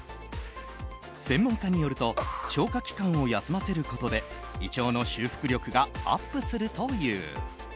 専門家によると消化器官を休ませることで胃腸の修復力がアップするという。